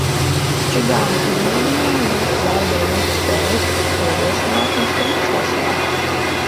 Čigāni izmēģināja mūsu darba rūķa spējas, soļošanā un rikšošanā.